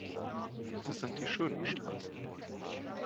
Das sind die schönen Straßen.